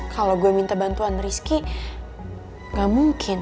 kalau gue minta bantuan rizky gak mungkin